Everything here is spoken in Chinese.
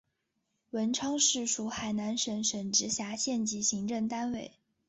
文昌市属海南省省直辖县级行政单位。